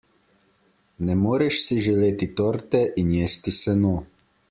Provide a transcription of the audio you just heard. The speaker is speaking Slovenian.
Ne moreš si želeti torte in jesti seno.